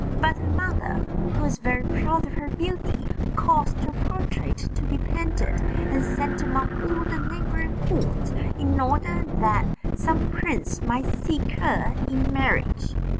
But her mother, who was very proud of her beauty, caused her portrait to be painted, and sent among all the neighbouring courts, in order that some prince might seek her in marriage.